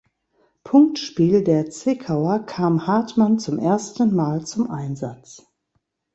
Punktspiel der Zwickauer kam Hartmann zum ersten Mal zum Einsatz.